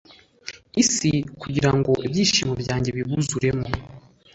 isi kugira ngo ibyishimo byanjye bibuzuremo